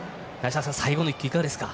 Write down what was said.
最後の一球、いかがですか？